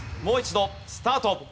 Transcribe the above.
もう一度スタート！